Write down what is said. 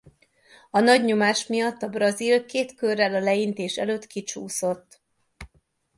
A nagy nyomás miatt a brazil két körrel a leintés előtt kicsúszott.